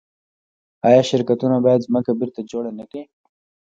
آیا شرکتونه باید ځمکه بیرته جوړه نکړي؟